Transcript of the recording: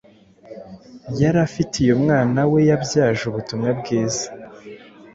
yari afitiye umwana we yabyaje ubutumwa bwiza